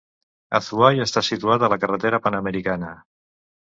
Azuay està situat a la Carretera Panamericana.